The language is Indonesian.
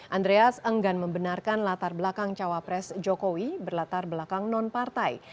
andreas enggan membenarkan latar belakang cawapres jokowi berlatar belakang non partai